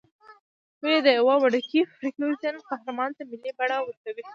ولې د یوه وړوکي فرکسیون قهرمان ته ملي بڼه ورکوې.